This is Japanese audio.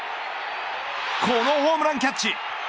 このホームランキャッチ。